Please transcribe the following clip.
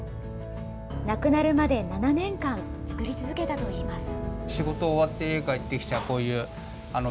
亡くなるまで７年間、作り続けたといいます。